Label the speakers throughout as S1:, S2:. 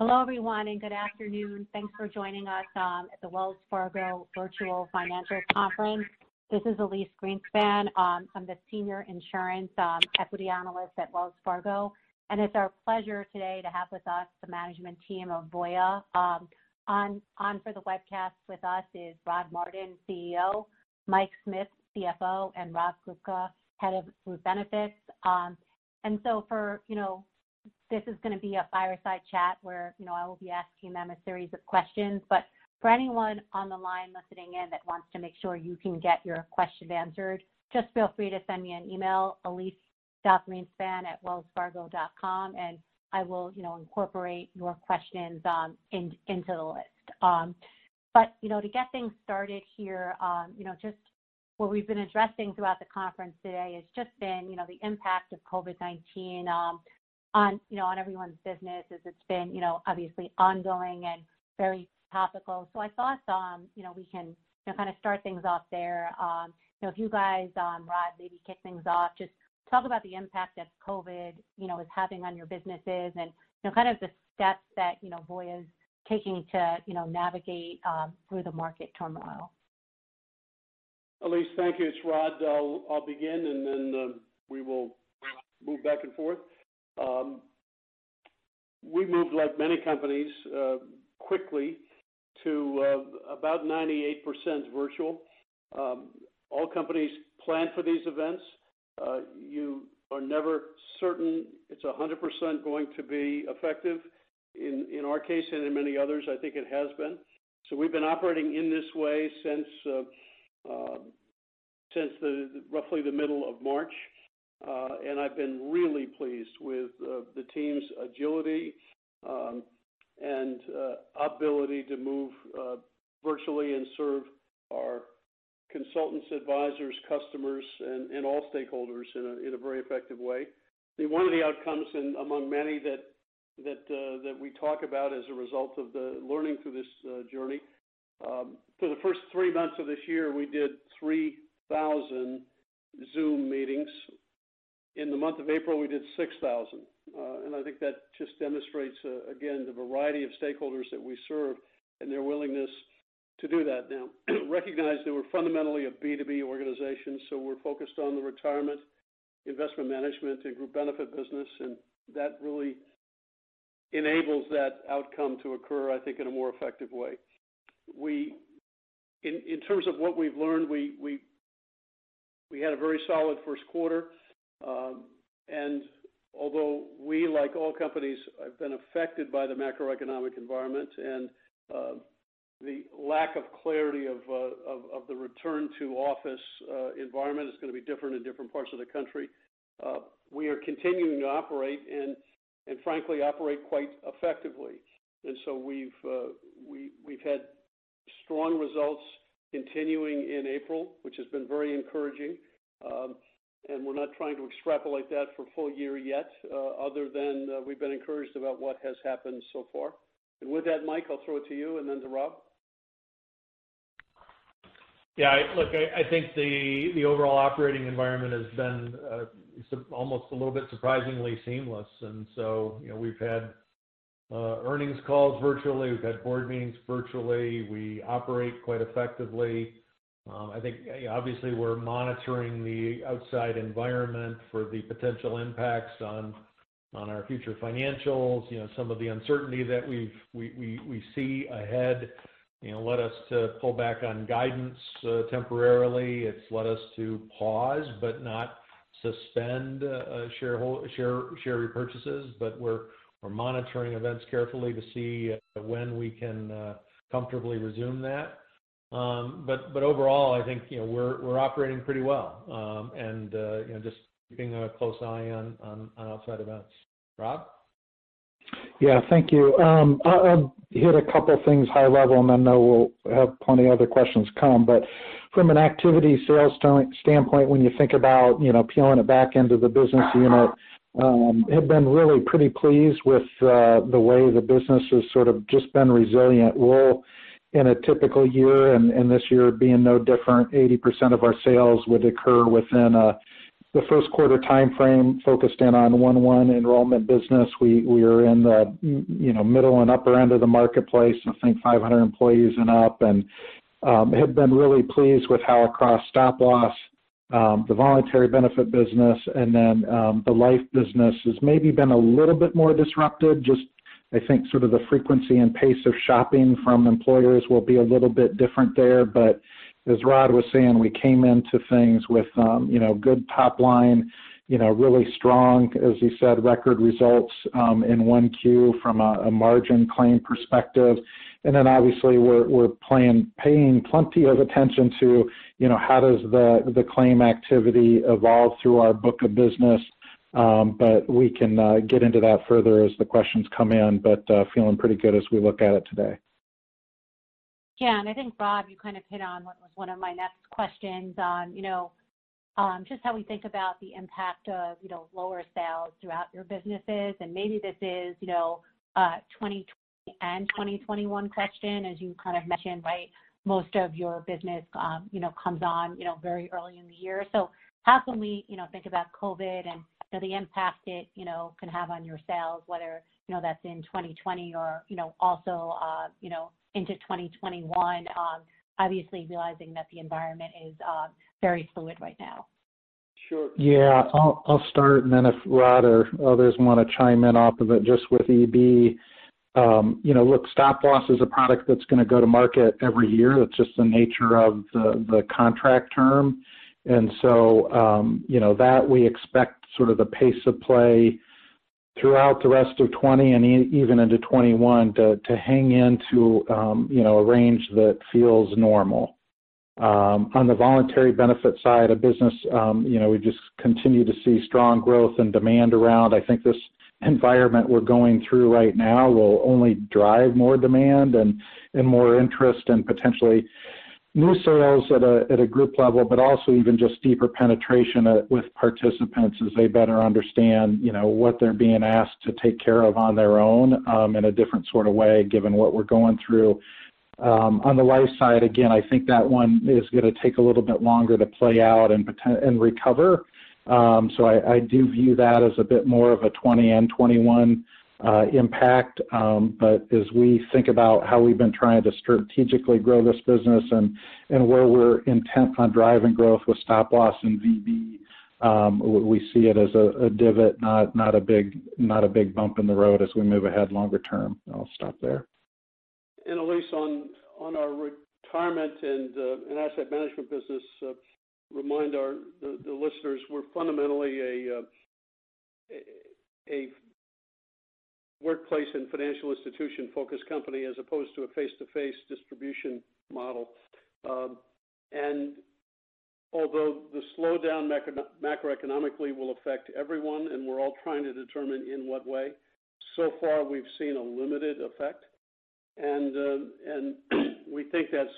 S1: Hello everyone, good afternoon. Thanks for joining us at the Wells Fargo Virtual Financial Conference. This is Elyse Greenspan. I'm the senior insurance equity analyst at Wells Fargo. It's our pleasure today to have with us the management team of Voya. On for the webcast with us is Rod Martin, CEO, Mike Smith, CFO, and Rob Grubka, head of Group Benefits. This is going to be a fireside chat where I will be asking them a series of questions. For anyone on the line listening in that wants to make sure you can get your questions answered, just feel free to send me an email, elyse.greenspan@wellsfargo.com. I will incorporate your questions into the list. To get things started here, what we've been addressing throughout the conference today has been the impact of COVID-19 on everyone's businesses. It's been obviously ongoing and very topical. I thought we can start things off there. If you guys, Rod maybe kick things off, talk about the impact that COVID is having on your businesses and kind of the steps that Voya is taking to navigate through the market turmoil.
S2: Elyse, thank you. It's Rod. I'll begin. We will move back and forth. We moved, like many companies, quickly to about 98% virtual. All companies plan for these events. You are never certain it's 100% going to be effective. In our case, in many others, I think it has been. We've been operating in this way since roughly the middle of March. I've been really pleased with the team's agility and ability to move virtually and serve our consultants, advisors, customers, and all stakeholders in a very effective way. One of the outcomes among many that we talk about as a result of the learning through this journey, for the first three months of this year, we did 3,000 Zoom meetings. In the month of April, we did 6,000. I think that demonstrates, again, the variety of stakeholders that we serve and their willingness to do that. Recognize that we're fundamentally a B2B organization. We're focused on the retirement, investment management, and Group Benefit business. That really enables that outcome to occur, I think, in a more effective way. In terms of what we've learned, we had a very solid first quarter. Although we, like all companies, have been affected by the macroeconomic environment and the lack of clarity of the return-to-office environment, it's going to be different in different parts of the country, we are continuing to operate, and frankly, operate quite effectively. We've had strong results continuing in April, which has been very encouraging. We're not trying to extrapolate that for a full year yet, other than we've been encouraged about what has happened so far. With that, Mike, I'll throw it to you, then to Rob.
S3: Yeah, look, I think the overall operating environment has been almost a little bit surprisingly seamless. We've had earnings calls virtually. We've had board meetings virtually. We operate quite effectively. I think obviously we're monitoring the outside environment for the potential impacts on our future financials. Some of the uncertainty that we see ahead led us to pull back on guidance temporarily. It's led us to pause, not suspend share repurchases. We're monitoring events carefully to see when we can comfortably resume that. Overall, I think we're operating pretty well. Just keeping a close eye on outside events. Rob?
S4: Yeah. Thank you. I'll hit a couple of things high level, I know we'll have plenty other questions come. From an activity sales standpoint, when you think about peeling the back end of the business, have been really pretty pleased with the way the business has sort of just been resilient. In a typical year, this year being no different, 80% of our sales would occur within the first quarter timeframe focused in on 1-1 enrollment business. We are in the middle and upper end of the marketplace, I think 500 employees and up, have been really pleased with how across Stop Loss, the voluntary benefit business, then the life business has maybe been a little bit more disrupted, just I think sort of the frequency and pace of shopping from employers will be a little bit different there. As Rod was saying, we came into things with good top line, really strong, as you said, record results in 1Q from a margin claim perspective. Obviously we're paying plenty of attention to how does the claim activity evolve through our book of business. We can get into that further as the questions come in. Feeling pretty good as we look at it today.
S1: Yeah, I think Rod, you kind of hit on what was one of my next questions on just how we think about the impact of lower sales throughout your businesses. Maybe this is 2020 and 2021 question, as you kind of mentioned, most of your business comes on very early in the year. How can we think about COVID and the impact it can have on your sales, whether that's in 2020 or also into 2021, obviously realizing that the environment is very fluid right now?
S2: Sure.
S4: Yeah. I'll start and then if Rod or others want to chime in off of it, just with EB. Look, Stop Loss is a product that's going to go to market every year. That's just the nature of the contract term. That we expect sort of the pace of play throughout the rest of 2020 and even into 2021 to hang into a range that feels normal. On the voluntary benefit side of business, we just continue to see strong growth and demand around. I think this environment we're going through right now will only drive more demand and more interest and potentially new sales at a group level, but also even just deeper penetration with participants as they better understand what they're being asked to take care of on their own, in a different sort of way, given what we're going through. On the life side, again, I think that one is going to take a little bit longer to play out and recover. I do view that as a bit more of a 2020 and 2021 impact. As we think about how we've been trying to strategically grow this business and where we're intent on driving growth with Stop Loss and VB, we see it as a divot, not a big bump in the road as we move ahead longer term. I'll stop there.
S2: Elyse, on our retirement and asset management business, remind the listeners, we're fundamentally a workplace and financial institution-focused company as opposed to a face-to-face distribution model. Although the slowdown macroeconomically will affect everyone, and we're all trying to determine in what way, so far, we've seen a limited effect, and we think that's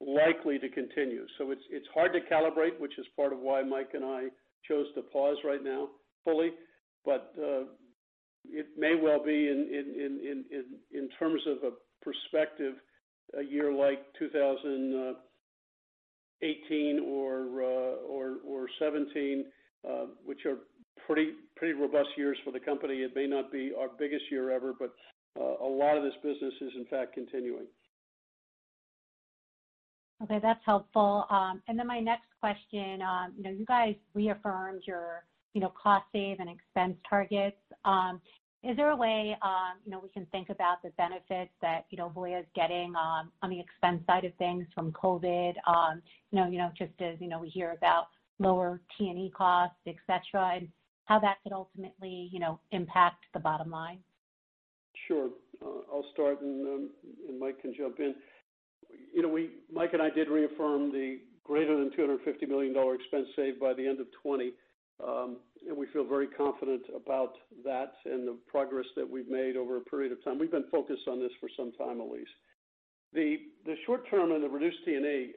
S2: likely to continue. It's hard to calibrate, which is part of why Michael and I chose to pause right now fully. It may well be in terms of a perspective, a year like 2018 or 2017, which are pretty robust years for the company. It may not be our biggest year ever, but a lot of this business is in fact continuing.
S1: Okay. That's helpful. My next question, you guys reaffirmed your cost save and expense targets. Is there a way we can think about the benefits that Voya is getting on the expense side of things from COVID? Just as we hear about lower T&E costs, et cetera, and how that could ultimately impact the bottom line.
S2: Sure. I'll start and Mike can jump in. Mike and I did reaffirm the greater than $250 million expense save by the end of 2020. We feel very confident about that and the progress that we've made over a period of time. We've been focused on this for some time, Elyse. The short term on the reduced T&E,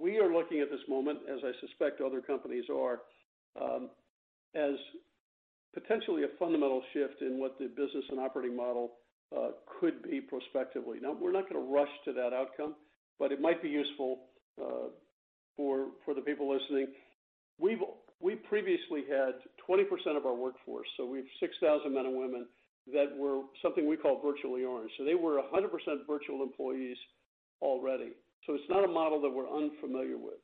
S2: we are looking at this moment, as I suspect other companies are, as potentially a fundamental shift in what the business and operating model could be prospectively. We're not going to rush to that outcome, but it might be useful for the people listening. We previously had 20% of our workforce, so we have 6,000 men and women that were something we call Virtually Orange. They were 100% virtual employees already. It's not a model that we're unfamiliar with.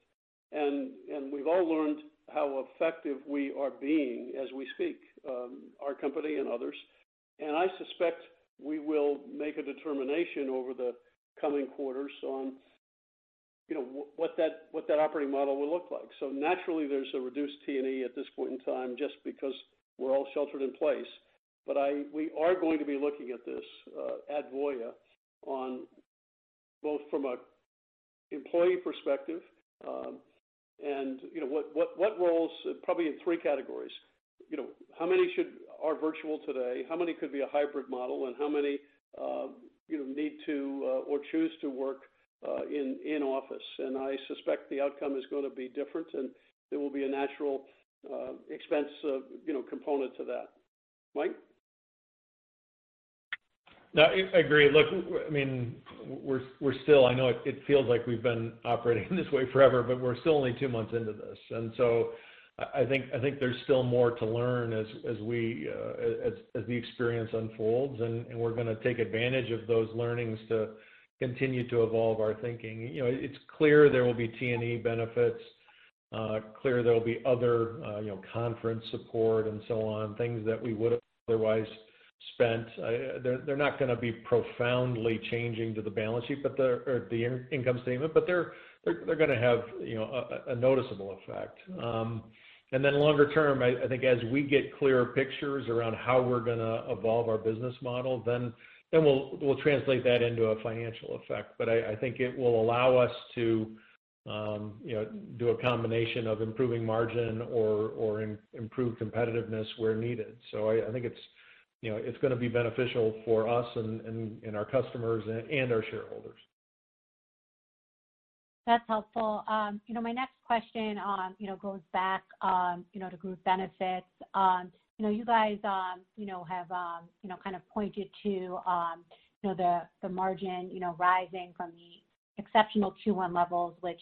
S2: We've all learned how effective we are being as we speak, our company and others. I suspect we will make a determination over the coming quarters on what that operating model will look like. Naturally, there's a reduced T&E at this point in time just because we're all sheltered in place. We are going to be looking at this at Voya on both from an employee perspective, and what roles, probably in 3 categories. How many are virtual today? How many could be a hybrid model? How many need to or choose to work in office? I suspect the outcome is going to be different, and there will be a natural expense component to that. Mike?
S3: No, I agree. Look, I know it feels like we've been operating this way forever, but we're still only two months into this. I think there's still more to learn as the experience unfolds, and we're going to take advantage of those learnings to continue to evolve our thinking. It's clear there will be T&E benefits, clear there will be other conference support and so on, things that we would've otherwise spent. They're not going to be profoundly changing to the balance sheet or the income statement, but they're going to have a noticeable effect. Longer term, I think as we get clearer pictures around how we're going to evolve our business model, then we'll translate that into a financial effect. I think it will allow us to do a combination of improving margin or improve competitiveness where needed. I think it's going to be beneficial for us and our customers and our shareholders.
S1: That's helpful. My next question goes back to Group Benefits. You guys have kind of pointed to the margin rising from the exceptional Q1 levels, which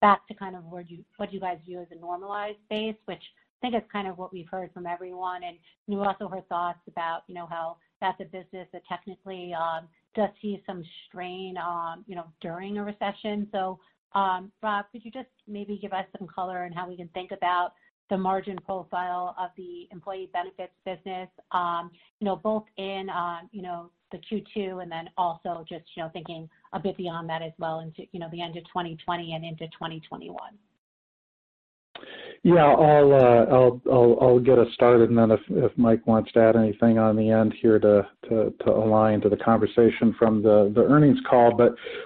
S1: back to kind of what you guys view as a normalized base, which I think is kind of what we've heard from everyone, and we also heard thoughts about how that's a business that technically does see some strain during a recession. Rob Grubka, could you just maybe give us some color on how we can think about the margin profile of the Employee Benefits business both in the Q2 and then also just thinking a bit beyond that as well into the end of 2020 and into 2021?
S4: Yeah. I'll get us started, and then if Mike wants to add anything on the end here to align to the conversation from the earnings call.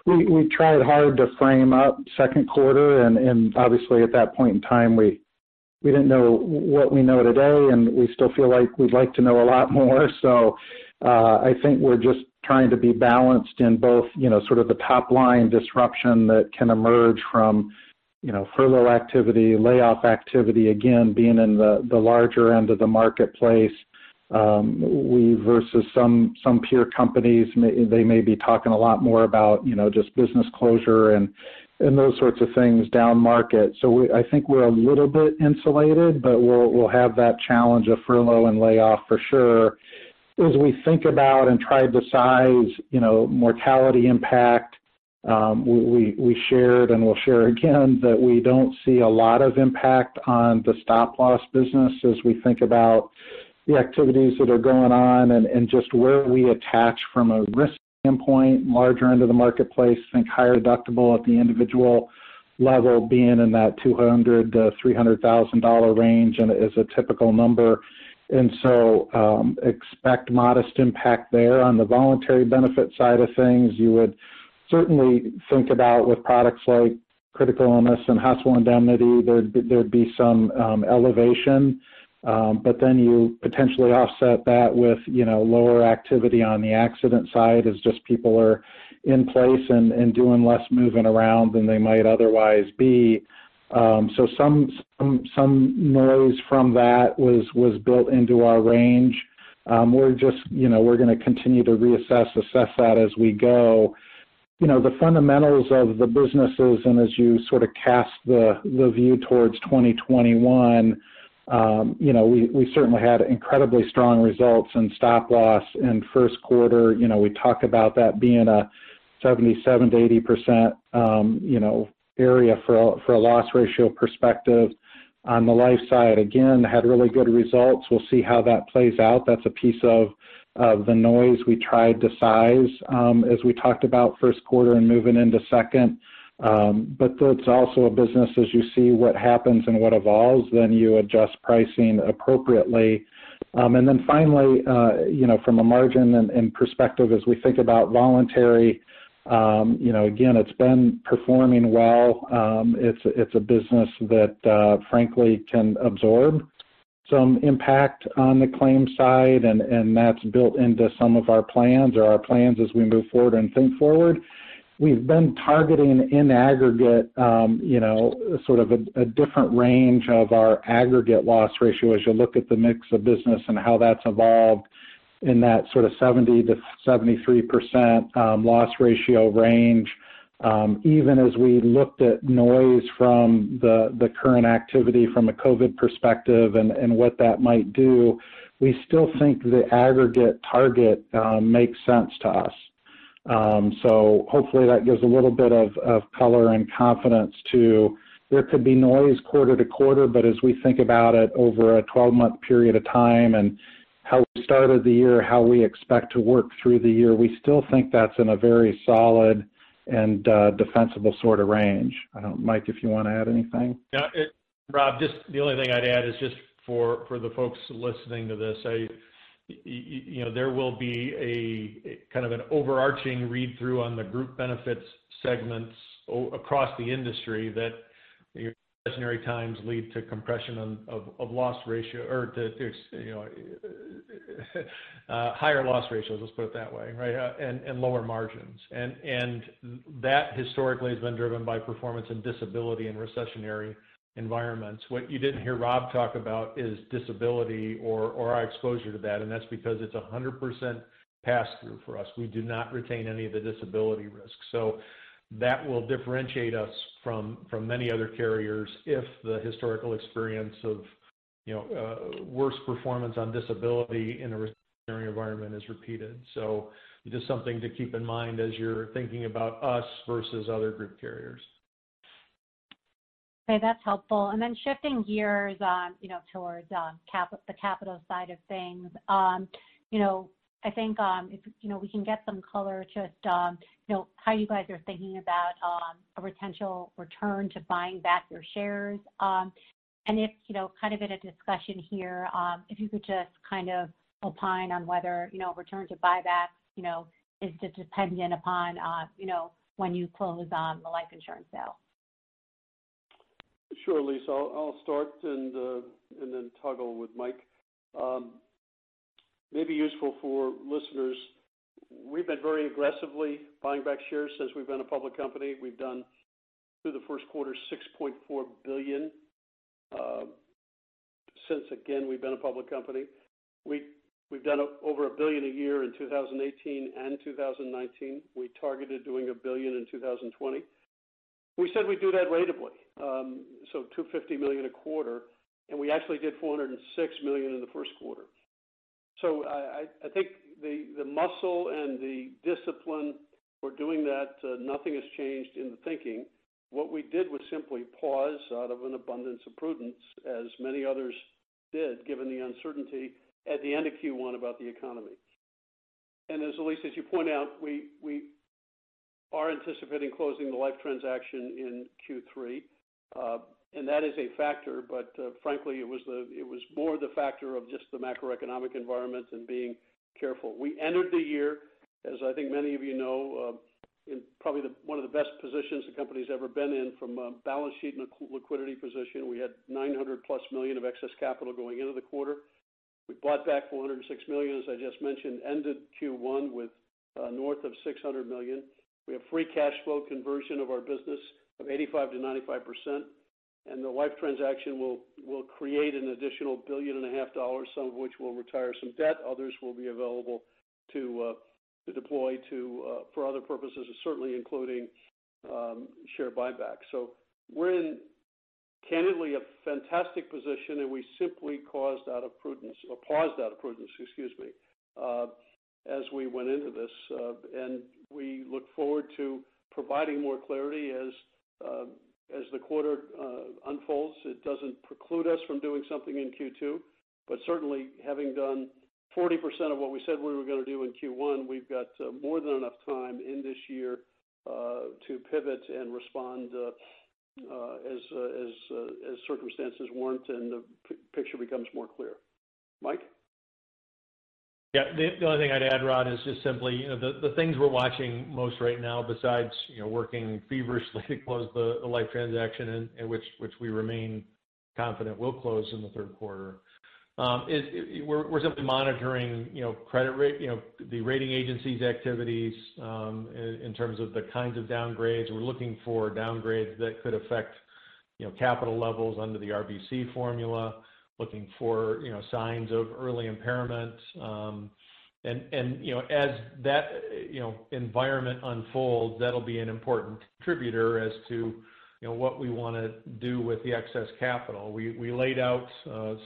S4: We tried hard to frame up second quarter, and obviously at that point in time, we didn't know what we know today, and we still feel like we'd like to know a lot more. I think we're just trying to be balanced in both sort of the top-line disruption that can emerge from furlough activity, layoff activity, again, being in the larger end of the marketplace versus some peer companies, they may be talking a lot more about just business closure and those sorts of things down market. I think we're a little bit insulated, but we'll have that challenge of furlough and layoff for sure. As we think about and try to size mortality impact, we shared and we'll share again that we don't see a lot of impact on the Stop Loss business as we think about the activities that are going on and just where we attach from a risk standpoint, larger end of the marketplace, think higher deductible at the individual level being in that $200,000-$300,000 range as a typical number. Expect modest impact there. On the Voluntary Benefit side of things, you would certainly think about with products like Critical Illness and Hospital Indemnity, there'd be some elevation. You potentially offset that with lower activity on the accident side as just people are in place and doing less moving around than they might otherwise be. Some noise from that was built into our range. We're going to continue to assess that as we go. The fundamentals of the businesses, as you sort of cast the view towards 2021, we certainly had incredibly strong results in Stop Loss in first quarter. We talked about that being a 77%-80% area for a loss ratio perspective. On the life side, again, had really good results. We'll see how that plays out. That's a piece of the noise we tried to size as we talked about first quarter and moving into second. That's also a business as you see what happens and what evolves, then you adjust pricing appropriately. Finally, from a margin and perspective as we think about voluntary, again, it's been performing well. It's a business that frankly can absorb some impact on the claims side, that's built into some of our plans or our plans as we move forward and think forward. We've been targeting in aggregate sort of a different range of our aggregate loss ratio as you look at the mix of business and how that's evolved in that sort of 70%-73% loss ratio range. Even as we looked at noise from the current activity from a COVID perspective and what that might do, we still think the aggregate target makes sense to us. Hopefully that gives a little bit of color and confidence to there could be noise quarter to quarter, as we think about it over a 12-month period of time and how we started the year, how we expect to work through the year, we still think that's in a very solid and defensible sort of range. I don't know, Mike, if you want to add anything?
S3: Yeah. Rob, just the only thing I'd add is just for the folks listening to this, there will be a kind of an overarching read-through on the Group Benefits segments across the industry that recessionary times lead to compression of loss ratio or to higher loss ratios, let's put it that way, right? Lower margins. That historically has been driven by performance and disability in recessionary environments. What you didn't hear Rob talk about is disability or our exposure to that's because it's 100% pass-through for us. We do not retain any of the disability risk. That will differentiate us from many other carriers if the historical experience of worse performance on disability in a recessionary environment is repeated. Just something to keep in mind as you're thinking about us versus other group carriers.
S1: Okay. That's helpful. Shifting gears towards the capital side of things. I think if we can get some color just how you guys are thinking about a potential return to buying back your shares. If kind of in a discussion here, if you could just kind of opine on whether return to buyback is just dependent upon when you close on the life insurance sale.
S2: Sure, Elyse. I'll start and then toggle with Michael. May be useful for listeners, we've been very aggressively buying back shares since we've been a public company. We've done, through the first quarter, $6.4 billion since, again, we've been a public company. We've done over $1 billion a year in 2018 and 2019. We targeted doing $1 billion in 2020. We said we'd do that ratably, so $250 million a quarter, and we actually did $406 million in the first quarter. I think the muscle and the discipline for doing that, nothing has changed in the thinking. What we did was simply pause out of an abundance of prudence, as many others did, given the uncertainty at the end of Q1 about the economy. As Elyse, as you point out, we are anticipating closing the life transaction in Q3. That is a factor, but frankly, it was more the factor of just the macroeconomic environment and being careful. We entered the year, as I think many of you know, in probably one of the best positions the company's ever been in from a balance sheet and a liquidity position. We had $900-plus million of excess capital going into the quarter. We bought back $406 million, as I just mentioned, ended Q1 with north of $600 million. We have free cash flow conversion of our business of 85%-95%, and the life transaction will create an additional $1 billion and a half dollars, some of which will retire some debt, others will be available to deploy for other purposes, certainly including share buyback. We're in, candidly, a fantastic position, and we simply paused out of prudence as we went into this. We look forward to providing more clarity as the quarter unfolds. It doesn't preclude us from doing something in Q2, but certainly having done 40% of what we said we were going to do in Q1, we've got more than enough time in this year to pivot and respond as circumstances warrant and the picture becomes more clear. Michael?
S3: Yeah. The only thing I'd add, Rod, is just simply the things we're watching most right now besides working feverishly to close the life transaction, which we remain confident will close in the third quarter. We're simply monitoring the rating agencies' activities in terms of the kinds of downgrades. We're looking for downgrades that could affect capital levels under the RBC formula, looking for signs of early impairment. As that environment unfolds, that'll be an important contributor as to what we want to do with the excess capital. We laid out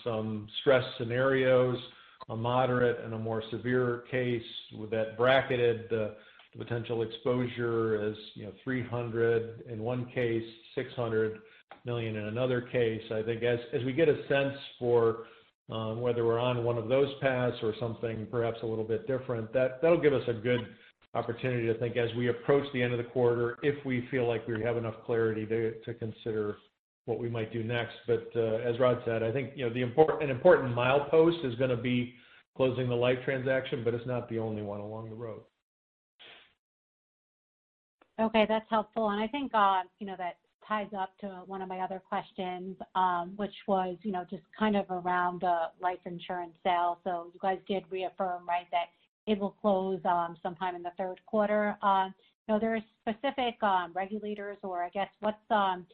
S3: some stress scenarios, a moderate and a more severe case that bracketed the potential exposure as $300 in one case, $600 million in another case. I think as we get a sense for whether we're on one of those paths or something perhaps a little bit different, that'll give us a good opportunity to think as we approach the end of the quarter if we feel like we have enough clarity to consider what we might do next. As Rod said, I think an important milepost is going to be closing the life transaction, but it's not the only one along the road.
S1: Okay. That's helpful. I think that ties up to one of my other questions, which was just kind of around the life insurance sale. You guys did reaffirm that it will close sometime in the third quarter. Are there specific regulators or I guess what's kind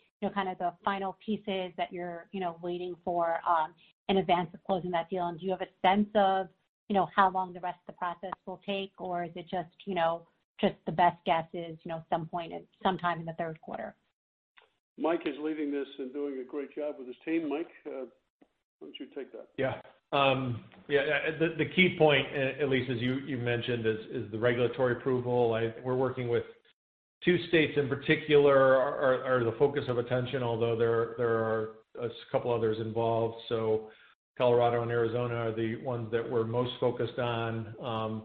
S1: of the final pieces that you're waiting for in advance of closing that deal? Do you have a sense of how long the rest of the process will take, or is it just the best guess is sometime in the third quarter?
S2: Mike is leading this and doing a great job with his team. Mike why don't you take that?
S3: The key point, Elyse, as you mentioned, is the regulatory approval. We're working with two states in particular are the focus of attention, although there are a couple others involved. Colorado and Arizona are the ones that we're most focused on.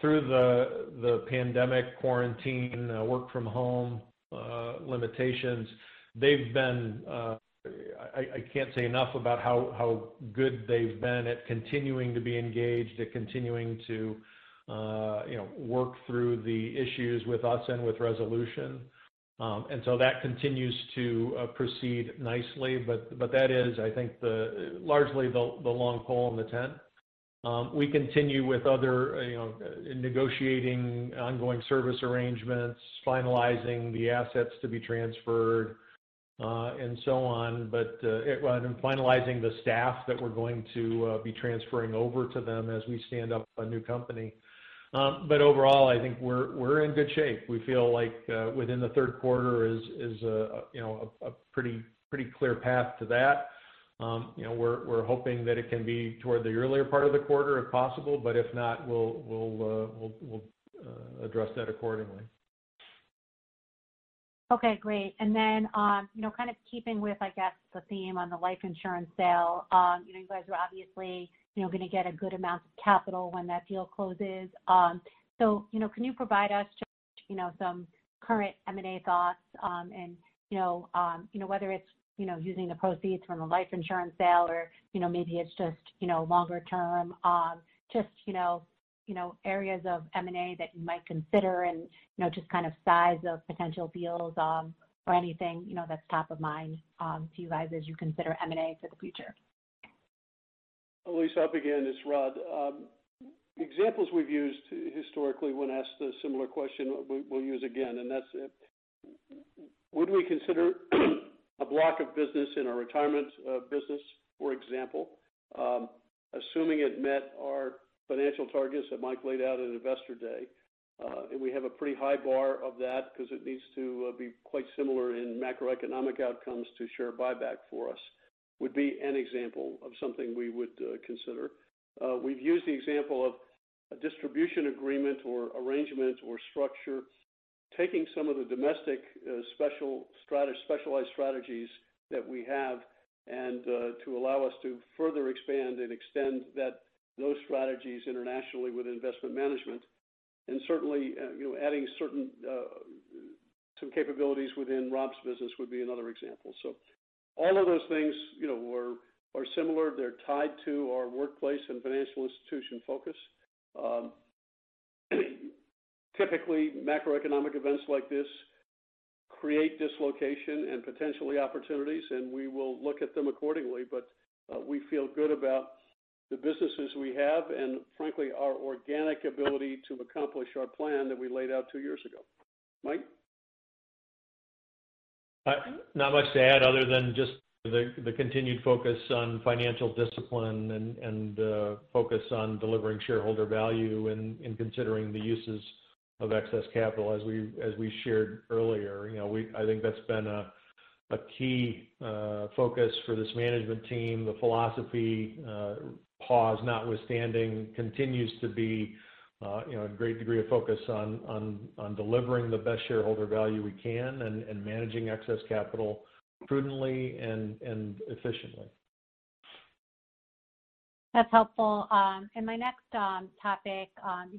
S3: Through the pandemic quarantine work from home limitations, I can't say enough about how good they've been at continuing to be engaged, at continuing to work through the issues with us and with Resolution. That continues to proceed nicely, but that is, I think, largely the long pole in the tent. We continue with other negotiating ongoing service arrangements, finalizing the assets to be transferred, and so on, and finalizing the staff that we're going to be transferring over to them as we stand up a new company. Overall, I think we're in good shape. We feel like within the third quarter is a pretty clear path to that. We're hoping that it can be toward the earlier part of the quarter if possible, but if not, we'll address that accordingly.
S1: Okay, great. Kind of keeping with, I guess, the theme on the life insurance sale, you guys are obviously going to get a good amount of capital when that deal closes. Can you provide us just some current M&A thoughts? Whether it's using the proceeds from the life insurance sale or maybe it's just longer term, just areas of M&A that you might consider and just kind of size of potential deals or anything that's top of mind to you guys as you consider M&A for the future?
S2: Elyse, I'll begin. It's Rod. Examples we've used historically when asked a similar question, we'll use again, and that's would we consider a block of business in our retirement business, for example, assuming it met our financial targets that Mike laid out at Investor Day. We have a pretty high bar of that because it needs to be quite similar in macroeconomic outcomes to share buyback for us, would be an example of something we would consider. We've used the example of a distribution agreement or arrangement or structure, taking some of the domestic specialized strategies that we have and to allow us to further expand and extend those strategies internationally with investment management. And certainly, adding some capabilities within Rob's business would be another example. All of those things are similar. They're tied to our workplace and financial institution focus. Typically, macroeconomic events like this create dislocation and potentially opportunities, and we will look at them accordingly. We feel good about the businesses we have, and frankly, our organic ability to accomplish our plan that we laid out two years ago. Mike?
S3: Not much to add other than just the continued focus on financial discipline and focus on delivering shareholder value in considering the uses of excess capital as we shared earlier. I think that's been a key focus for this management team. The philosophy, pause notwithstanding, continues to be a great degree of focus on delivering the best shareholder value we can and managing excess capital prudently and efficiently.
S1: That's helpful. In my next topic,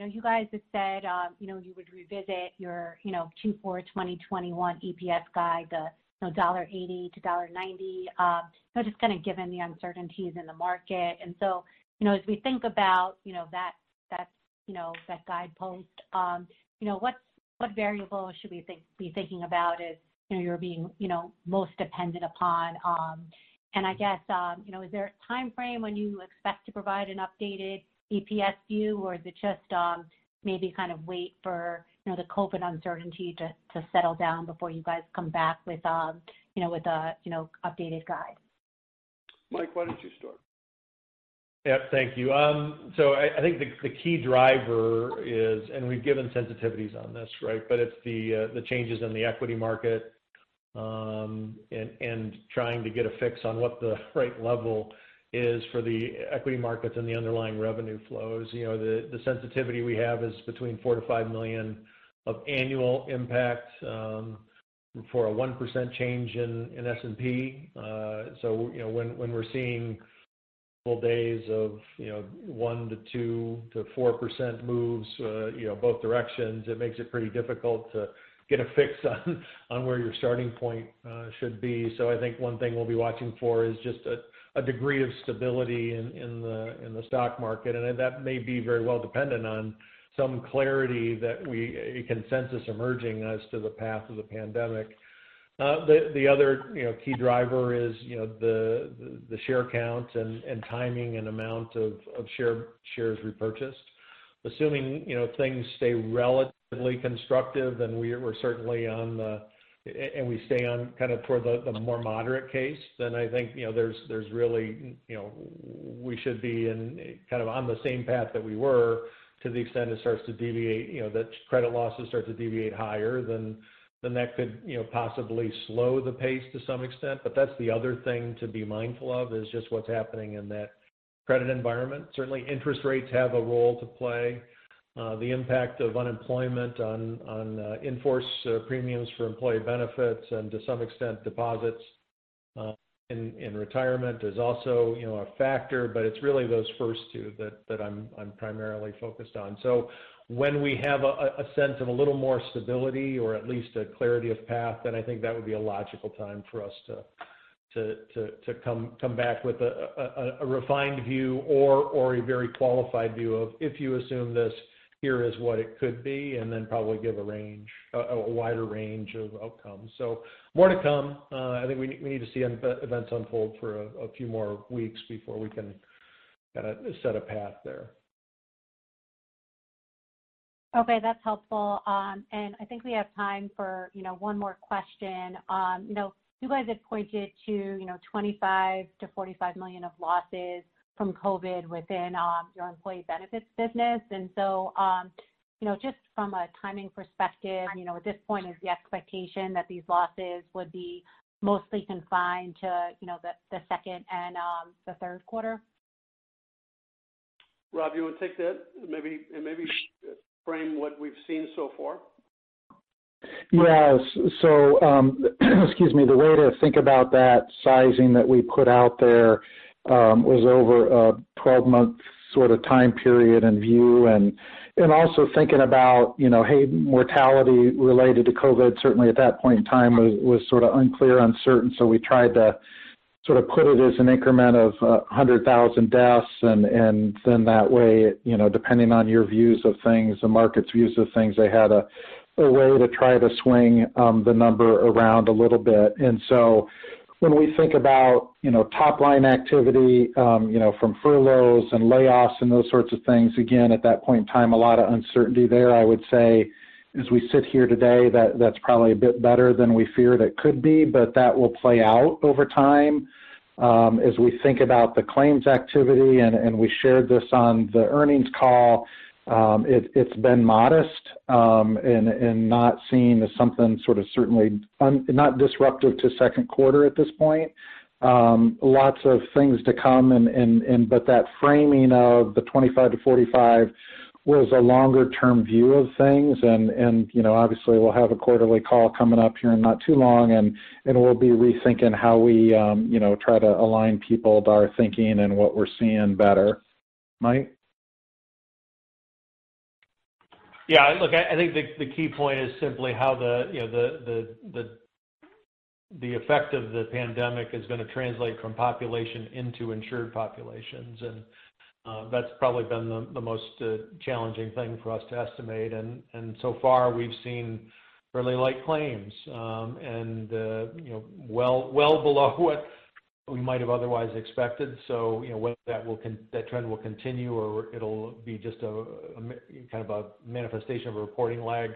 S1: you guys have said you would revisit your Q4 2021 EPS guide, the $1.80-$1.90, just kind of given the uncertainties in the market. As we think about that guidepost, what variable should we be thinking about as you're being most dependent upon? I guess is there a time frame when you expect to provide an updated EPS view, or is it just maybe kind of wait for the COVID uncertainty to settle down before you guys come back with a updated guide?
S2: Mike, why don't you start?
S3: Thank you. I think the key driver is, and we've given sensitivities on this, right? It's the changes in the equity market and trying to get a fix on what the right level is for the equity markets and the underlying revenue flows. The sensitivity we have is between $4 million to $5 million of annual impact for a 1% change in S&P. When we're seeing full days of 1% to 2% to 4% moves both directions, it makes it pretty difficult to get a fix on where your starting point should be. I think one thing we'll be watching for is just a degree of stability in the stock market, and that may be very well dependent on some clarity that we, a consensus emerging as to the path of the pandemic. The other key driver is the share count and timing and amount of shares repurchased. Assuming things stay relatively constructive and we stay on kind of toward the more moderate case, then I think we should be kind of on the same path that we were to the extent it starts to deviate, the credit losses start to deviate higher, then that could possibly slow the pace to some extent. That's the other thing to be mindful of, is just what's happening in that credit environment. Certainly, interest rates have a role to play. The impact of unemployment on in-force premiums for Employee Benefits and to some extent deposits in retirement is also a factor. It's really those first two that I'm primarily focused on. When we have a sense of a little more stability or at least a clarity of path, then I think that would be a logical time for us to come back with a refined view or a very qualified view of, if you assume this, here is what it could be, and then probably give a wider range of outcomes. More to come. I think we need to see events unfold for a few more weeks before we can kind of set a path there.
S1: That's helpful. I think we have time for one more question. You guys have pointed to $25 million-$45 million of losses from COVID within your Employee Benefits business. Just from a timing perspective, at this point is the expectation that these losses would be mostly confined to the second and the third quarter?
S2: Rob, you want to take that? Maybe frame what we've seen so far.
S4: Yes. Excuse me. The way to think about that sizing that we put out there was over a 12-month sort of time period and view. Also thinking about mortality related to COVID, certainly at that point in time was sort of unclear, uncertain. We tried to sort of put it as an increment of 100,000 deaths, then that way, depending on your views of things, the market's views of things, they had a way to try to swing the number around a little bit. When we think about top-line activity from furloughs and layoffs and those sorts of things, again, at that point in time, a lot of uncertainty there. I would say as we sit here today, that's probably a bit better than we fear that could be, but that will play out over time. As we think about the claims activity, and we shared this on the earnings call, it's been modest, and not seen as something certainly not disruptive to second quarter at this point. Lots of things to come, but that framing of the 25 to 45 was a longer-term view of things, and obviously we'll have a quarterly call coming up here in not too long, and we'll be rethinking how we try to align people to our thinking and what we're seeing better. Mike?
S3: Yeah, look, I think the key point is simply how the effect of the pandemic is going to translate from population into insured populations. That's probably been the most challenging thing for us to estimate. So far, we've seen fairly light claims, and well below what we might have otherwise expected. Whether that trend will continue or it'll be just a manifestation of a reporting lag,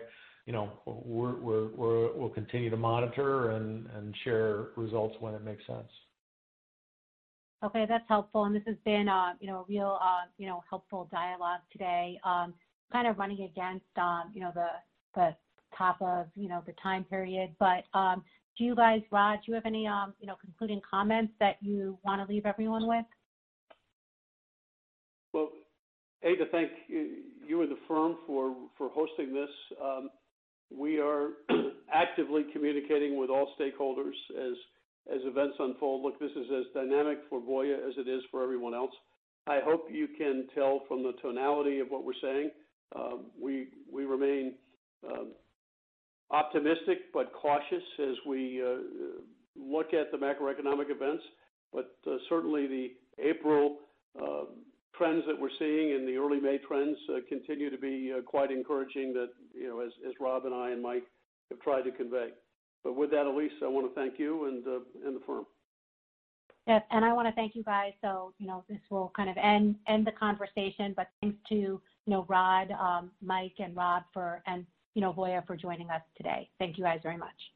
S3: we'll continue to monitor and share results when it makes sense.
S1: Okay, that's helpful. This has been a real helpful dialogue today. Kind of running against the top of the time period, do you guys, Rod, do you have any concluding comments that you want to leave everyone with?
S2: Well, A, to thank you and the firm for hosting this. We are actively communicating with all stakeholders as events unfold. Look, this is as dynamic for Voya as it is for everyone else. I hope you can tell from the tonality of what we're saying, we remain optimistic but cautious as we look at the macroeconomic events. Certainly the April trends that we're seeing and the early May trends continue to be quite encouraging that, as Rob and I, and Mike have tried to convey. With that, Elyse, I want to thank you and the firm.
S1: Yes, I want to thank you guys. This will kind of end the conversation, thanks to Rod, Mike, and Rob, and Voya for joining us today. Thank you guys very much.